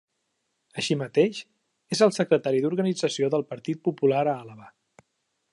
Així mateix, és el secretari d'organització del Partit Popular a Àlaba.